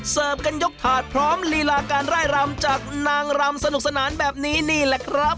เสิร์ฟกันยกถาดพร้อมลีลาการไล่รำจากนางรำสนุกสนานแบบนี้นี่แหละครับ